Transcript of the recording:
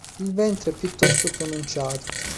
Il ventre è piuttosto pronunciato.